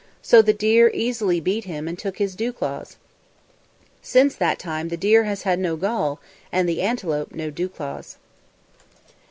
So the deer easily beat him and took his dew claws. Since that time the deer has had no gall and the antelope no dew claws.